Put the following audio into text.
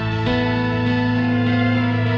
oke sampai jumpa